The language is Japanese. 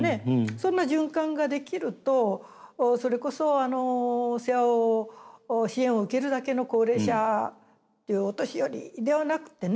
そんな循環が出来るとそれこそ世話を支援を受けるだけの高齢者っていうお年寄りではなくてね